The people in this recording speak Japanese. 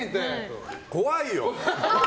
怖いよ！